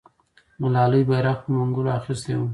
ملالۍ بیرغ په منګولو اخیستی وو.